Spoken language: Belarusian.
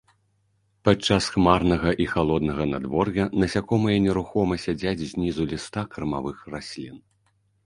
Падчас хмарнага і халоднага надвор'я насякомыя нерухома сядзяць знізу ліста кармавых раслін.